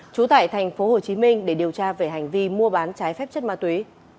chú tại tp hồ chí minh để điều tra về hành vi mua bán trái phép chất ma túy